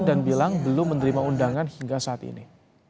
dan bilang belum menerima undangan hingga saat ini